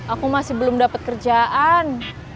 aku masih belum dapat kerjaan